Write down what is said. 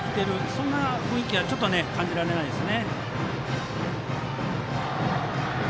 そんな雰囲気は感じられないです。